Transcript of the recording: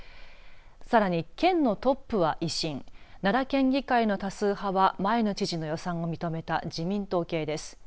さらに県のトップは維新奈良県議会の多数派は前の知事のよさを認めた自民党系です。